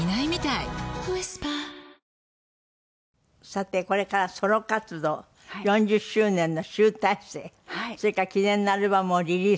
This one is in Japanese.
さてこれからソロ活動４０周年の集大成それから記念のアルバムをリリースと。